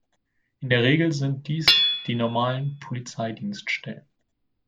In der Regel sind dies die normalen Polizeidienststellen.